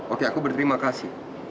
oke aku berterima kasih